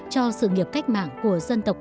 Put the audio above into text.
cho sự nghiệp cách mạng của dân tộc